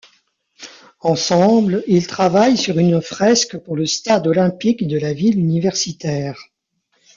Ensemble, ils travaillent sur une fresque pour le stade olympique de la ville universitaire.